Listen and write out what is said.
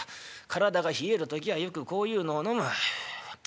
体が冷える時はよくこういうのを飲む」。